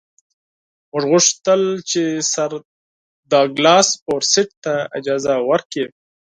موږ وغوښتل چې سر ډاګلاس فورسیت ته اجازه ورکړي.